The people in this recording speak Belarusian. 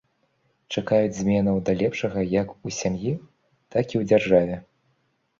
Чакаюць зменаў да лепшага як у сям'і, так і ў дзяржаве.